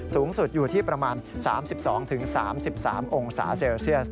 สูงสุดอยู่ที่ประมาณ๓๒๓๓องศาเซลเซียส